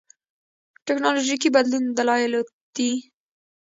ټېکنالوژيکي بدلون دلایلو دي.